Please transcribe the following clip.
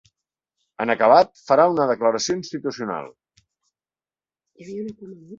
En acabat, farà una declaració institucional.